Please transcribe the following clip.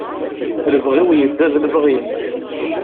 Lebɣi-w yedda d lebɣi-m.